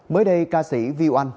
mới đây ca sĩ viu anh